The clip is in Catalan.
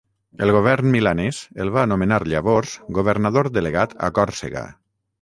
El govern milanès el va nomenar llavors governador delegat a Còrsega.